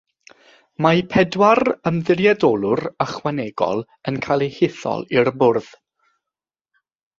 Mae pedwar ymddiriedolwr ychwanegol yn cael eu hethol i'r Bwrdd.